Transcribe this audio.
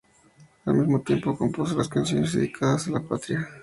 Al mismo tiempo compuso las canciones, dedicadas a la Patria.